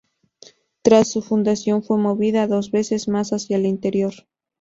Tras su fundación fue movida dos veces más hacia el interior.